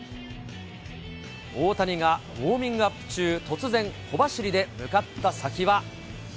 大谷がウォーミングアップ中、突然、小走りで向かった先は。